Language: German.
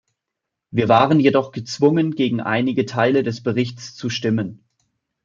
Wir waren jedoch gezwungen, gegen einige Teile des Berichts zu stimmen.